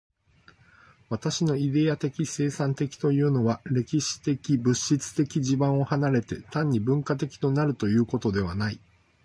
私のイデヤ的生産的というのは、歴史的物質的地盤を離れて、単に文化的となるということではない。